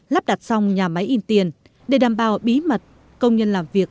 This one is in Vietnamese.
lắp đặt xong nhà máy in tiền để đảm bảo bí mật công nhân làm việc